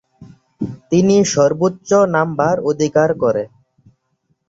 তিনি সর্বোচ্চ নম্বর অধিকার করে।